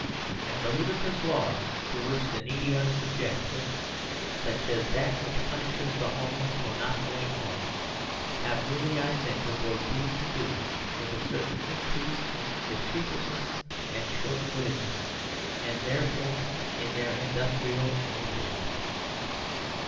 And the ludicrous laws to which the needy are subject (such as that which punishes the homeless for not going home) have really, I think, a great deal to do with a certain increase in their sheepishness and short wittedness, and, therefore, in their industrial inefficiency.